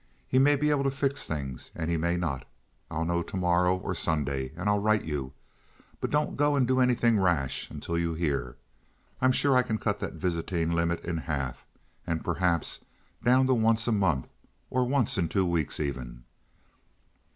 He may be able to fix things, and he may not. I'll know to morrow or Sunday, and I'll write you. But don't go and do anything rash until you hear. I'm sure I can cut that visiting limit in half, and perhaps down to once a month or once in two weeks even.